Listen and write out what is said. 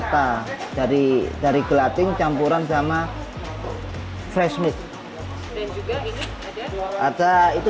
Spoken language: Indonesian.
kalau gelatin itu kita bisa mulai dari